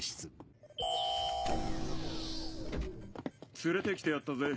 連れて来てやったぜ。